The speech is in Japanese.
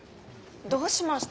どうしました？